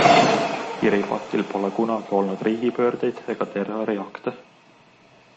Kiribatil pole kunagi olnud riigipöördeid ega terroriakte.